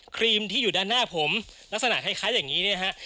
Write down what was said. ครีมที่อยู่ด้านหน้าผมลักษณะคล้ายอย่างนี้เนี่ยฮะ